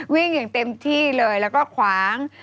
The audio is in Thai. อย่างเต็มที่เลยแล้วก็ขวาง